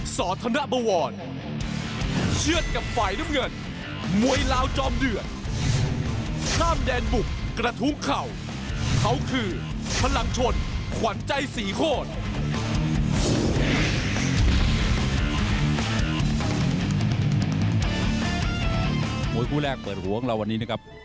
สวัสดีครับ